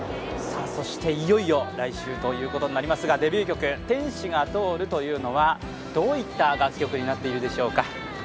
いよいよ来週ということになりますが、デビュー曲「天使が通る」というのはどういった楽曲になっているでしょうか。